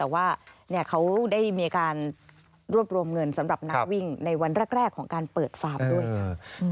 แต่ว่าเขาได้มีการรวบรวมเงินสำหรับนักวิ่งในวันแรกของการเปิดฟาร์มด้วยค่ะ